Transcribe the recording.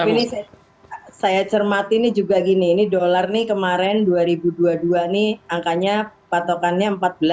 tapi ini saya cermati juga gini ini dolar kemarin dua ribu dua puluh dua angkanya patokannya empat belas empat ratus dua puluh lima